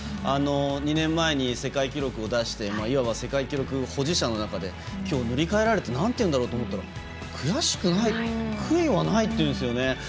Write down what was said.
２年前に世界記録を出していわば世界記録保持者の中できょう塗り替えられてなんて言うんだろうと思ったら悔しくない悔いはないって言うんですよね。